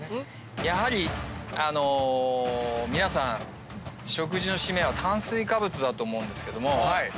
やはり皆さん食事のシメは炭水化物だと思うんですけども。